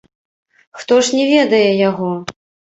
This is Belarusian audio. Хто ж не ведае яго?